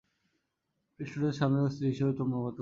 Priest ওদের স্বামী ও স্ত্রী হিসাবে চুম্বন করতে বলেছেন।